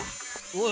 おい